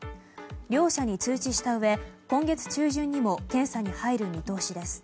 両社に通知したうえ今月中旬にも検査に入る見通しです。